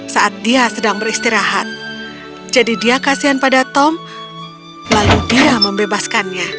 saat dia sedang beristirahat jadi dia kasihan pada tom lalu dia membebaskannya